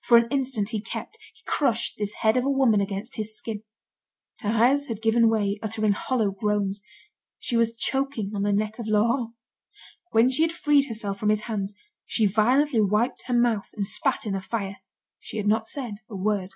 For an instant he kept, he crushed, this head of a woman against his skin. Thérèse had given way, uttering hollow groans. She was choking on the neck of Laurent. When she had freed herself from his hands, she violently wiped her mouth, and spat in the fire. She had not said a word.